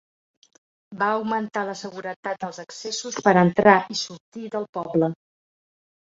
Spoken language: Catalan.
Va augmentar la seguretat dels accessos per entrar i sortir del poble.